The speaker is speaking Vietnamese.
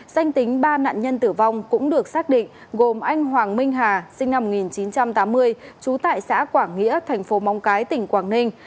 danh tính ba nạn nhân tử vong cũng được xác định gồm anh hoàng minh hà sinh năm một nghìn chín trăm tám mươi trú tại xã quảng nghĩa thành phố móng cái tỉnh quảng ninh